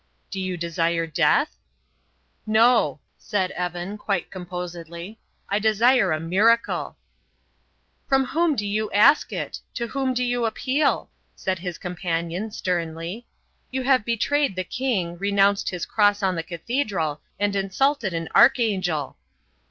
"Do you desire death?" "No," said Evan, quite composedly, "I desire a miracle." "From whom do you ask it? To whom do you appeal?" said his companion, sternly. "You have betrayed the king, renounced his cross on the cathedral, and insulted an archangel."